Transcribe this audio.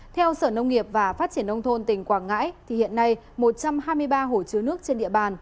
theo sở nông nghiệp và phát triển nông thôn tỉnh quảng ngãi thì hiện nay một trăm hai mươi ba hồ chứa nước trên địa bàn